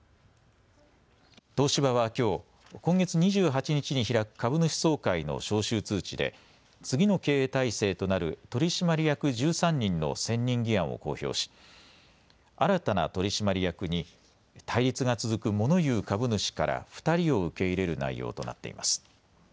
東芝はきょう、今月２８日に開く株主総会の招集通知で次の経営体制となる取締役１３人の選任議案を公表し新たな取締役に対立が続くモノ言う株主から２人を受け入れる内容となっています。